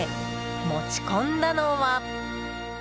持ち込んだのは。